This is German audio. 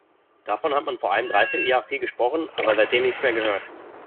Davon hat man vor einem dreiviertel Jahr viel gesprochen, aber seitdem nichts mehr gehört.